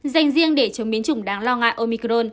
dành riêng để chống biến chủng đáng lo ngại omicron